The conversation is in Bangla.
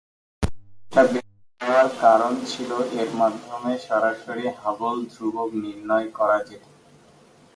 এটি বেছে নেয়ার কারণ ছিল এর মাধ্যমে সরাসরি হাবল ধ্রুবক নির্ণয় করা যেতো।